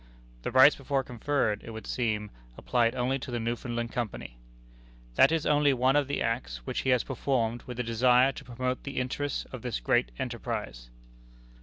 [The rights before conferred, it would seem, applied only to the Newfoundland Company.] That is only one of the acts which he has performed with a desire to promote the interests of this great enterprise."